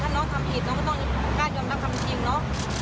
ถ้าน้องทำผิดน้องก็ต้องกล้ายอมรับคำจริงเนาะ